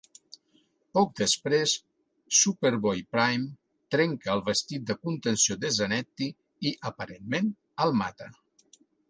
Poc després, Superboy-Prime trenca el vestit de contenció de Zanetti i, aparentment, el mata.